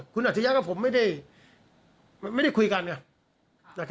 คุณอัจฉริยะกับผมไม่ได้คุยกันไง